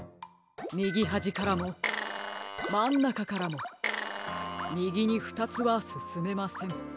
みぎはじからもまんなかからもみぎにふたつはすすめません。